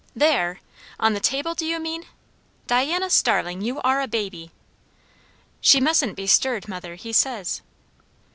"There! On the table do you mean? Diana Starling, you are a baby!" "She mustn't be stirred, mother, he says."